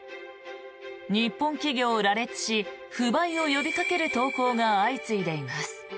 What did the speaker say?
日本企業を羅列し不買を呼びかける投稿が相次いでいます。